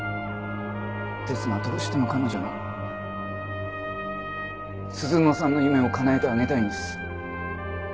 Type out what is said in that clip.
ですがどうしても彼女の鈴乃さんの夢をかなえてあげたいんです。